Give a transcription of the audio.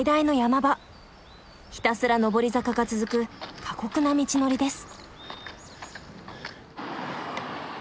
ひたすら上り坂が続く過酷な道のりです。